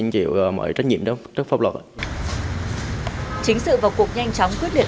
chính sự vào cuộc nhanh chóng quyết liệt